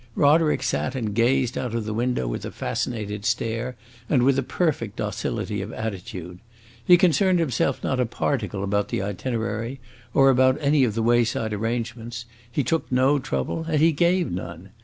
Roderick sat and gazed out of the window with a fascinated stare, and with a perfect docility of attitude. He concerned himself not a particle about the itinerary, or about any of the wayside arrangements; he took no trouble, and he gave none.